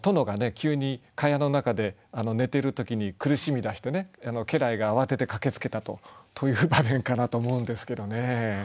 急に蚊帳の中で寝てる時に苦しみだして家来が慌てて駆けつけたとという場面かなと思うんですけどね。